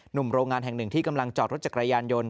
หนุ่มโรงงานแห่งหนึ่งที่กำลังจอดรถจักรยานยนต์